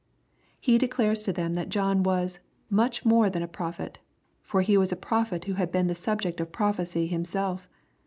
He declares to them that John was " much more than a prophet," for he was a prophet who had been the subject of prophecy himself.